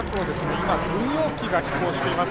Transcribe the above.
今軍用機が飛んでいます